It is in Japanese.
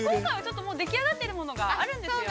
◆もうでき上がっているものがあるんですよね？